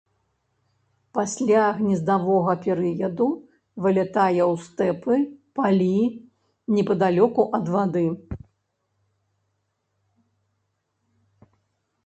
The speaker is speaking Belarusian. Пасля гнездавога перыяду вылятае ў стэпы, палі непадалёку ад вады.